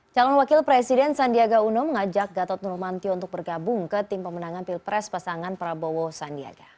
calon wakil presiden sandiaga uno mengajak gatot nurmantio untuk bergabung ke tim pemenangan pilpres pasangan prabowo sandiaga